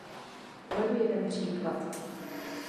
Uvedu jeden příklad.